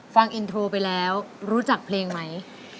ฟังอินโทรไปแล้วรู้จักเพลงไหม